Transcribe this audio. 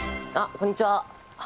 こんにちは。